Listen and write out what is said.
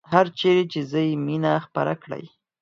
هرچیرې چې ځئ مینه خپره کړئ